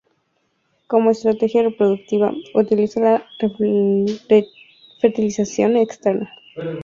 Como estrategia reproductiva, utiliza la fertilización externa.